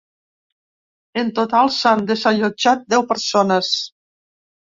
En total s’han desallotjat deu persones.